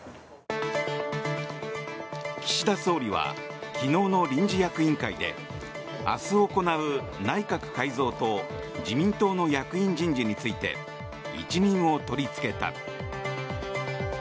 岸田総理は昨日の臨時役員会で明日行う内閣改造と自民党の役員人事について一任を取りつけた。